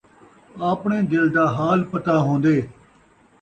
آپݨے دل دا حال پتہ ہوندے